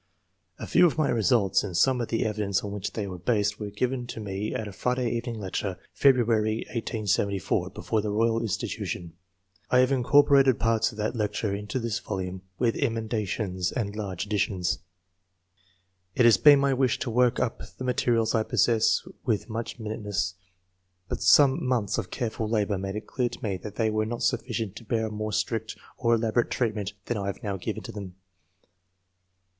A few of my results, and some of the evi dence on which they were based, were given by me at a Friday evening lecture, Febru ary, 1874, before the Koyal Institution. I have incorporated parts of that lecture into this volume, with emendations and large additions. It had been my wish to work up the ma terials I possess with much minuteness; but some months of careful labour made it clear to me that they were not sufficient to bear a more strict or elaborate treatment than I have now given to them.